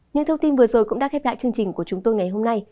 những thông tin vừa rồi cũng đã khép lại chương trình của chúng tôi ngày hôm nay